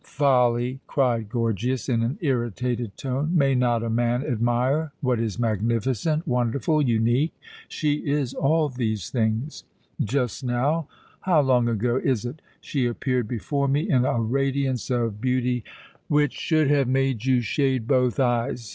"Folly!" cried Gorgias in an irritated tone: "May not a man admire what is magnificent, wonderful, unique? She is all these things! Just now how long ago is it? she appeared before me in a radiance of beauty " "Which should have made you shade both eyes.